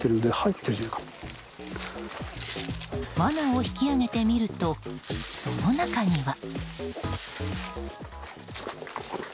罠を引き上げてみるとその中には。